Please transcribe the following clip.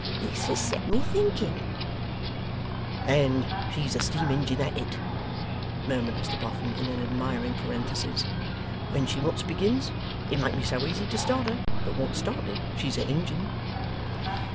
This has set me thinking.' ['And she is a steam ingein at it,' murmured Mr Boffin, in an admiring parenthesis, 'when she once begins. It mayn't be so easy to start her; but once started, she's a ingein.